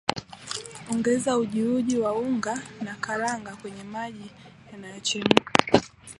Ongeza ujiuji wa unga na karanga kwenye maji yanayochemka